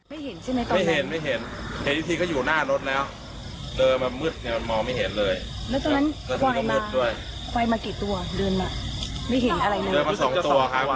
ไม่เห็นใช่ไหมตอนนั้น